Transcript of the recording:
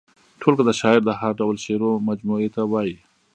ټولګه د شاعر د هر ډول شعرو مجموعې ته وايي.